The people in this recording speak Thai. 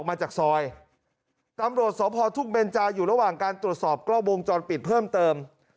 มาจากซอยตำรวจสพทุ่งเบนจาอยู่ระหว่างการตรวจสอบกล้องวงจรปิดเพิ่มเติม